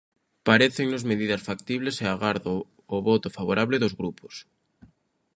Parécennos medidas factibles e agardo o voto favorable dos grupos.